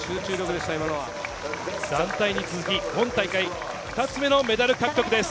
団体に続き、今大会２つ目のメダル獲得です。